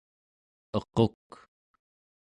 equk